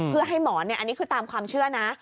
เพื่อให้หมอนอันนี้คือตามความเชื่อนะ